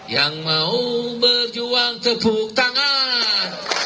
yang mau berjuang tepuk tangan